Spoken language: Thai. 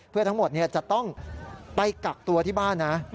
เพื่อทั้งหมดจะต้องไปกักตัวที่บ้านนะ